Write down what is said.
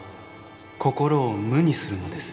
心を無にするのです。